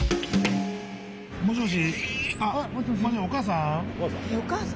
もしもし。